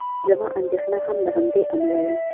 زما اندېښنه هم له همدې امله وه.